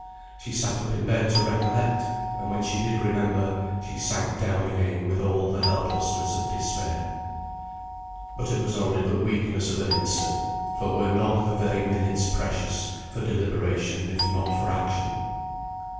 She sat up in bed to recollect, and when she did remember, she sank down again with all the helplessness of despair. But it was only the weakness of an instant; for were not the very minutes precious, for deliberation if not for action?